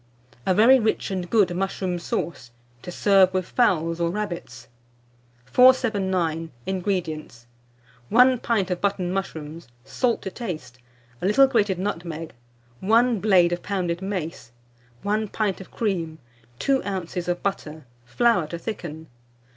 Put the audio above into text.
A VERY RICH AND GOOD MUSHROOM SAUCE, to serve with Fowls or Rabbits. 479. INGREDIENTS. 1 pint of mushroom buttons, salt to taste, a little grated nutmeg, 1 blade of pounded mace, 1 pint of cream, 2 oz. of butter, flour to thicken.